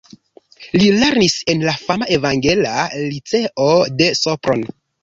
Li lernis en la fama Evangela Liceo de Sopron.